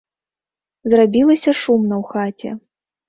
Зрабілася шумна ў хаце.